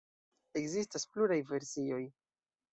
Ekzistas pluraj versioj.